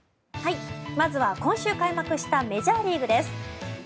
まずは今週開幕したメジャーリーグです。